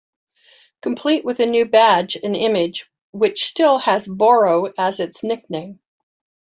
Complete with a new badge and image which still has Boro as its nickname.